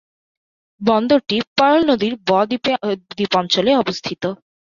বন্দরটি Pearl নদীর ব-দ্বীপ অঞ্চলে অবস্থিত।